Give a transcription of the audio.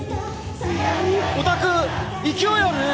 おたく勢いあるね